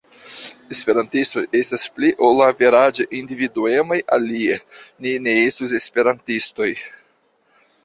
Esperantistoj estas pli ol averaĝe individuemaj alie ni ne estus esperantistoj.